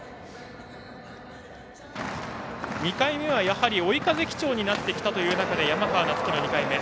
２回目は追い風基調になってきた中山川夏輝の２回目。